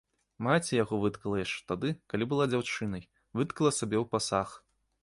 Маці яго выткала яшчэ тады, калі была дзяўчынай, выткала сабе ў пасаг.